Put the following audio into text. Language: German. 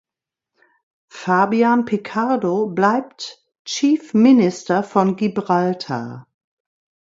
Fabian Picardo bleibt Chief Minister von Gibraltar.